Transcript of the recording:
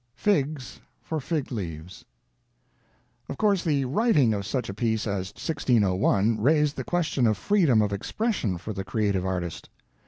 FIGS FOR FIG LEAVES! Of course, the writing of such a piece as 1601 raised the question of freedom of expression for the creative artist.